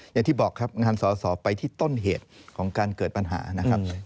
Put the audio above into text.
อย่างที่บอกครับงานสอสอไปที่ต้นเหตุของการเกิดปัญหานะครับ